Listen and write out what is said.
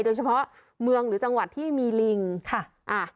โดยเฉพาะเมืองหรือจังหวัดที่มีลิงค่ะอ่า